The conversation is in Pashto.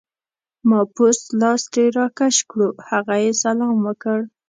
ما پوست لاس ترې راکش کړو، هغه یې سلام وکړ.